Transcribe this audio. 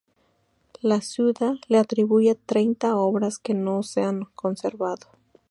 La "Suda" le atribuye treinta obras, que no se han conservado.